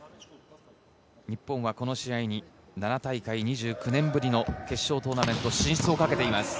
日本はこの試合に、７大会、２９年ぶりの決勝トーナメント進出をかけています。